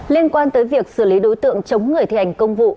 liên quan tới việc xử lý đối tượng chống người thi hành công vụ